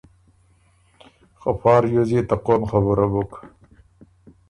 خه فا ریوز يې ته قوم خبُره بُک